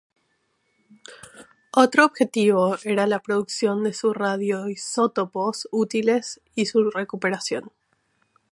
Otro objetivo era la producción de radioisótopos útiles y su recuperación.